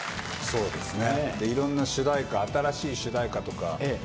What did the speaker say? そうですね。